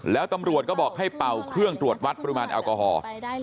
แล้วตำรวจก็บอกให้เป่าเครื่องตรวจวัดปริมาณแอลกอฮอล์